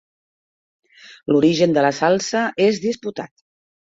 L'origen de la salsa és disputat.